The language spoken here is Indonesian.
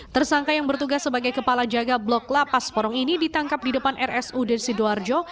tersangka yang bertugas sebagai kepala jaga blok lapas porong ini ditangkap di depan rsud sidoarjo